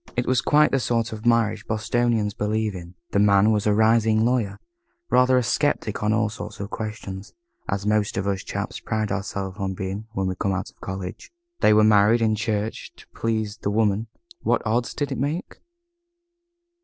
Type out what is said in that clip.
It was quite the sort of marriage Bostonians believe in. The man was a rising lawyer, rather a sceptic on all sorts of questions, as most of us chaps pride ourselves on being, when we come out of college. They were married in church to please the Woman. What odds did it make?